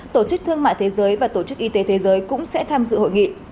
tổ chức thương mại thế giới và tổ chức y tế thế giới cũng sẽ tham dự hội nghị